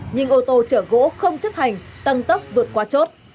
nhưng ô tô chở gỗ không chấp hành tăng tốc vượt qua chốt